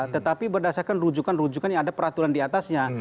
tetapi berdasarkan rujukan rujukan yang ada peraturan di atasnya